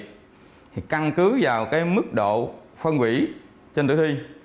thì căn cứ vào cái mức độ phân hủy trên tử thi